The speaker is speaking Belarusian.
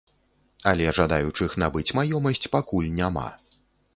Але жадаючых набыць маёмасць пакуль няма.